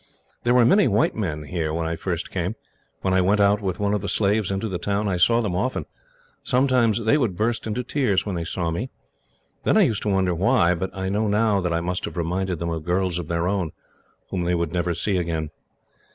"There were many white men here, when I first came. When I went out with one of the slaves, into the town, I saw them often. Sometimes they would burst into tears when they saw me. Then I used to wonder why, but I know now that I must have reminded them of girls of their own, whom they would never see again.